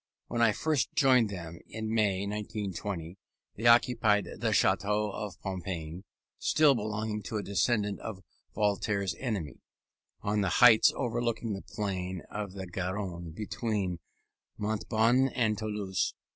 When I first joined them, in May, 1820, they occupied the Château of Pompignan (still belonging to a descendant of Voltaire's enemy) on the heights overlooking the plain of the Garonne between Montauban and Toulouse.